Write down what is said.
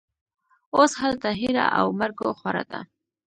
اوس هلته هېره او مرګوخوره ده